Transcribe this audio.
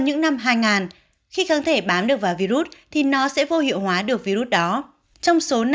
những năm hai nghìn khi kháng thể bán được vào virus thì nó sẽ vô hiệu hóa được virus đó trong số năm